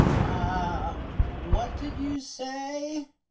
"Ah, what did you say?"